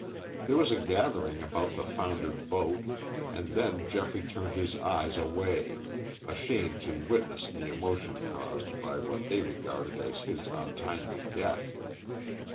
There was a gathering about the foundered boat, and then Geoffrey turned his eyes away, ashamed to witness the emotion caused by what they regarded as his untimely death.